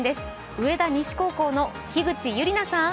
上田西高校の樋口優里奈さん。